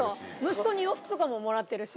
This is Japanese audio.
息子に洋服とかももらってるし。